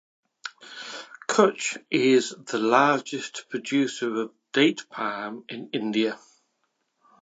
Kutch is the largest producer of date palm in India.